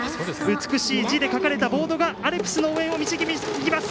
美しい字で書かれたボードがアルプスの応援を導きます。